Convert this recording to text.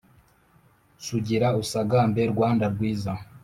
sugira usagambe rwanda rwiza